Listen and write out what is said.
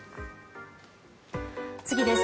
次です。